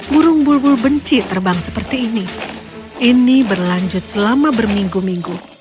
burung bulbul benci terbang seperti ini ini berlanjut selama berminggu minggu